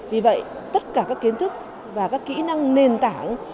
vì vậy tất cả các kiến thức và các kỹ năng nền tảng